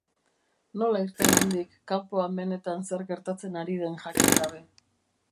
Nola irten handik, kanpoan benetan zer gertatzen ari den jakin gabe?